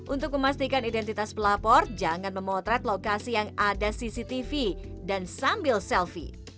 untuk memastikan identitas pelapor jangan memotret lokasi yang ada cctv dan sambil selfie